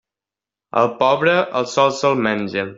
Al pobre, el sol se'l menja.